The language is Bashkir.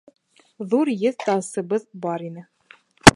Ҙур еҙ тасыбыҙ бар ине.